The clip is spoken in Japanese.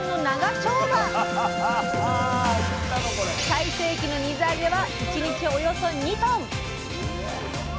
最盛期の水揚げは１日およそ２トン！